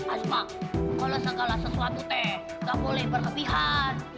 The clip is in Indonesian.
aspak kalau segala sesuatu teh gak boleh berlebihan